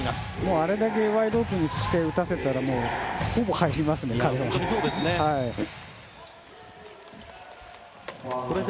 あれだけワイドオープンして打たせたらほぼ入りますね、彼は。